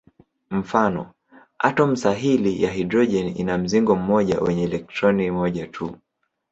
Mfano: atomu sahili ya hidrojeni ina mzingo mmoja wenye elektroni moja tu.